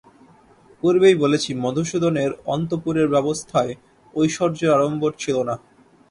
পূর্বেই বলেছি, মধুসূদনের অন্তঃপুরের ব্যবস্থায় ঐশ্বর্যের আড়ম্বর ছিল না।